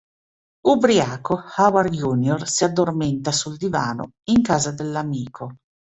Ubriaco, Howard junior si addormenta sul divano in casa dell'amico.